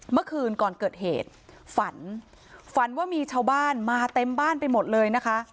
เมื่อคืนก่อนเกิดเหตุฝันฝันว่ามีชาวบ้านมาเต็มบ้านไปหมดเลยนะคะ